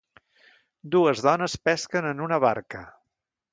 dues dones pesquen en una barca.